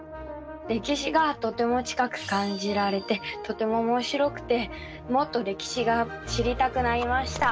歴史がとても近く感じられてとてもおもしろくてもっと歴史が知りたくなりました。